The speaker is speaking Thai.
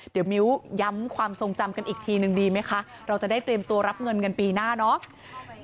เดี๋ยวมิ้วย้ำความทรงจำกันอีกทีนึงดีไหมคะเราจะได้เตรียมตัวรับเงินกันปีหน้าเนาะ